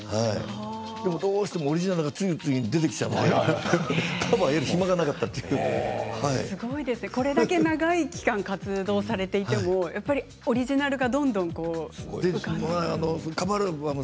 でもどうしてもオリジナルが次々と出てきてしまうのでこれだけ長い期間活動されていてもオリジナルがどんどん出るんですね。